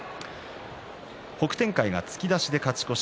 北天海が突き出しで勝ち越し。